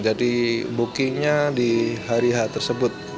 jadi bookingnya di hari h tersebut